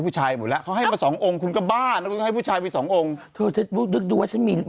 ถูกดูว่าฉันมี